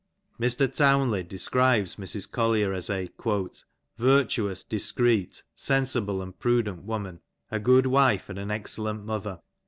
Mr. Townley describes Mrs. Collier as a " virtuous, discreet, sen sible and prudent woman, a good wife and an excellent mother